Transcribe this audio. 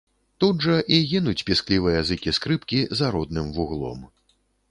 Тут жа і гінуць пісклівыя зыкі скрыпкі за родным вуглом.